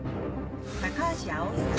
高橋葵さん。